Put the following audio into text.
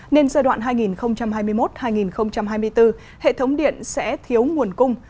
nên giai đoạn hai nghìn hai mươi một hai nghìn hai mươi bốn hệ thống điện sẽ thiếu nguồn cung